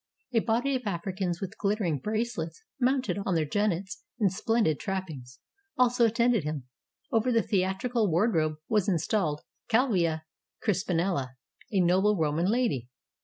A body of Africans with ghttering bracelets, mounted on their jennets in splendid trappings, also attended him. Over the theatrical wardrobe was in stalled Calvia Crispinella, a noble Roman lady.